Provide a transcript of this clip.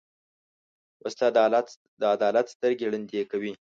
وسله د عدالت سترګې ړندې کوي